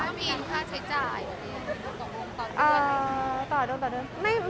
แล้วมีค่าใช้จ่ายต่อด้วย